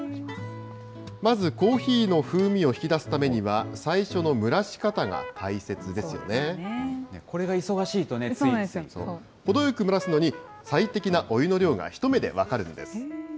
まずコーヒーの風味を引き出すためには、これが忙しいとね、程よく蒸らすのに、最適なお湯の量が一目で分かるんです。